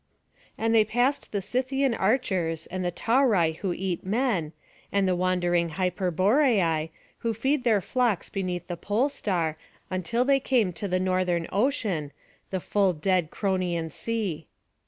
And they passed the Scythian archers, and the Tauri who eat men, and the wandering Hyperboreai, who feed their flocks beneath the pole star, until they came into the northern ocean, the dull dead Cronian Sea.